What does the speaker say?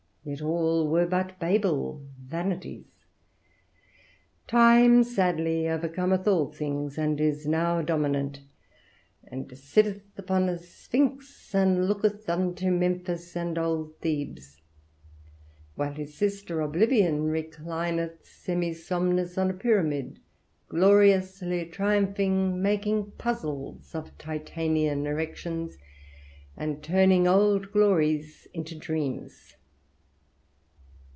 Yet all were but Babel vanities. Time sadly overcometh all things, and is now dominant, and sitteth upon a sphinx, and looketh unto Memphis and old Thebes, while his sister Oblivion reclineth semisomnous on a pyramid, gloriously triumphing, making puzzles of Titanian erections, and turning old glories into dreams.